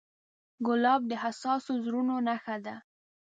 ګلاب د حساسو زړونو نښه ده.